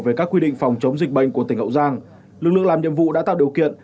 về các quy định phòng chống dịch bệnh của tỉnh hậu giang lực lượng làm nhiệm vụ đã tạo điều kiện